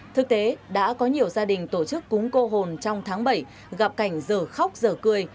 thực tế đã có nhiều gia đình tổ chức cúng cô hồn trong tháng bảy gặp cảnh giờ khóc giờ cười